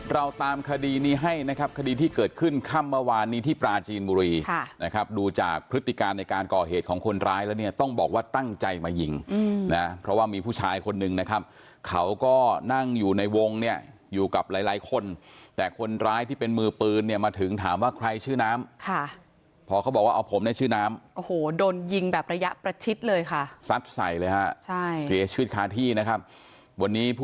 เราตามคดีนี้ให้นะครับคดีที่เกิดขึ้นค่ำเมื่อวานนี้ที่ปราจีนบุรีนะครับดูจากพฤติการในการก่อเหตุของคนร้ายแล้วเนี่ยต้องบอกว่าตั้งใจมายิงนะเพราะว่ามีผู้ชายคนนึงนะครับเขาก็นั่งอยู่ในวงเนี่ยอยู่กับหลายหลายคนแต่คนร้ายที่เป็นมือปืนเนี่ยมาถึงถามว่าใครชื่อน้ำค่ะพอเขาบอกว่าเอาผมในชื่อน้ำโอ้โหโดนยิ